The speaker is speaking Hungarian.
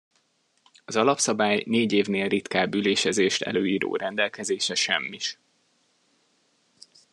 Az alapszabály négy évnél ritkább ülésezést előíró rendelkezése semmis.